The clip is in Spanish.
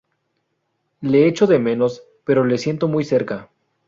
Le echo de menos, pero le siento muy cerca.